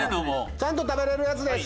ちゃんと食べれるやつです。